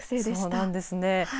そうなんですね。